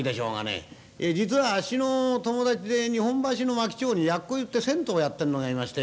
実はあっしの友達で日本橋の槇町でやっこ湯という銭湯やってんのがいまして。